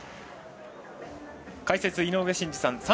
解説、井上真司さん。